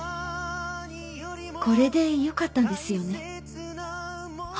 これでよかったんですよね？